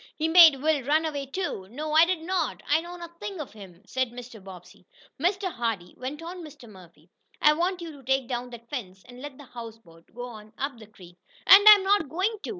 He made Will run away too." "No, I did not. I know nothing of him," said Mr. Bobbsey. "Mr. Hardee," went on Mr. Murphy. "I want you to take down that fence, and let the houseboat go on up the creek." "And I'm not going to!"